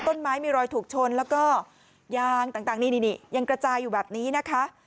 ต้นไม้มีรอยถูกชนแล้วก็ยางต่างนี่ยังกระจายอยู่แบบนี้นะคะ